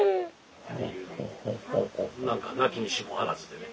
何かなきにしもあらずでね。